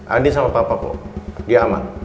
adi sama papa kok dia aman